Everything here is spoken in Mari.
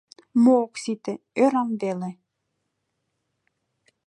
Мо ок сите — ӧрам веле.